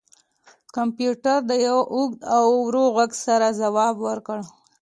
کمپیوټر د یو اوږد او ورو غږ سره ځواب ورکړ